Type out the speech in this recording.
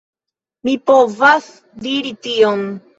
Mi povas diri tion.